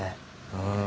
うん。